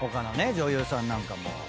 女優さんなんかも。